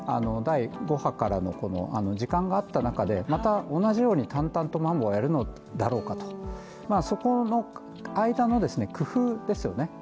第５波からのこのあの時間があった中で、また同じように淡々とまん防やれるのだろうかとそこの間のですね工夫ですよね